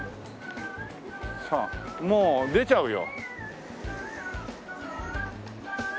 さあもう出ちゃうよ。